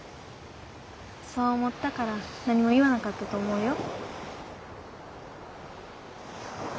そう思ったから何も言わなかったと思うよ。